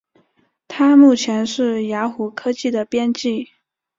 他目前是雅虎科技的编辑。